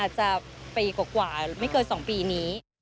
จะปีกว่าไม่เกิน๒ปีนี้